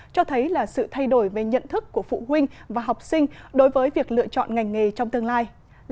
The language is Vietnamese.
cho thấy là sự thay đổi về nhận thức của phụ huynh và học sinh đối với việc lựa chọn ngành nghề trong tương lai